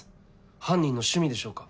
犯人の趣味でしょうか。